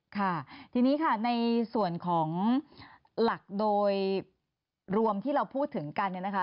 ค่ะทีนี้ค่ะในส่วนของหลักโดยรวมที่เราพูดถึงกันเนี่ยนะคะ